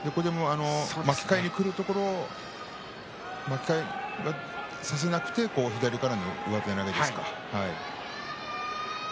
巻き替えにくるところを差せなくて左からの上手投げです。